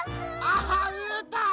あうーたん！